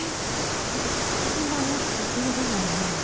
だって古賀さんがあんな雑なご飯を毎日？